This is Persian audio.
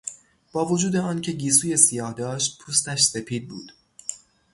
با وجود آنکه گیسوی سیاه داشت پوستش سپید بود.